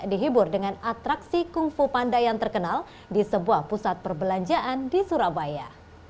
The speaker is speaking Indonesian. dihibur dengan atraksi kungfu panda yang terkenal di sebuah pusat perbelanjaan di surabaya